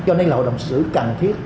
cho nên là hội đồng xử cần thiết